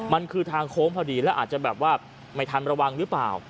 มันคือทางโค้งพอดีแล้วอาจจะแบบว่าไม่ทันระวังหรือเปล่า